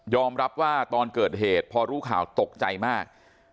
รับว่าตอนเกิดเหตุพอรู้ข่าวตกใจมาก